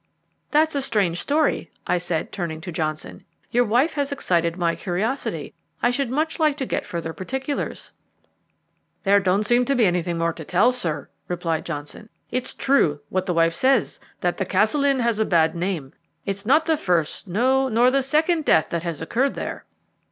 "That's a strange story," I said, turning to Johnson; "your wife has excited my curiosity. I should much like to get further particulars." "There don't seem to be anything more to tell, sir," replied Johnson. "It's true what the wife says, that the Castle Inn has a bad name. It's not the first, no, nor the second, death that has occurred there."